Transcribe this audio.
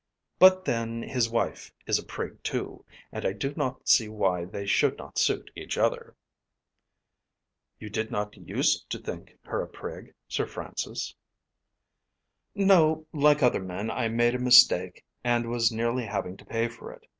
"But then his wife is a prig too, and I do not see why they should not suit each other." "You did not use to think her a prig, Sir Francis." "No; like other men I made a mistake and was nearly having to pay for it.